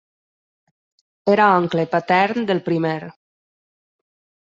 Era oncle patern del primer.